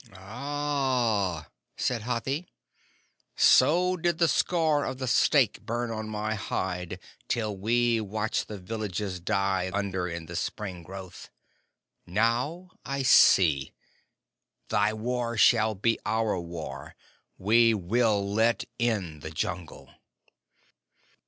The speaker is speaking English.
"Ah!" said Hathi. "So did the scar of the stake burn on my hide till we watched the villages die under in the spring growth. Now I see. Thy war shall be our war. We will let in the Jungle!"